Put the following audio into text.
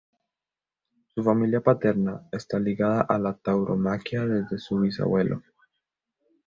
Su familia paterna está ligada a la tauromaquia desde su bisabuelo.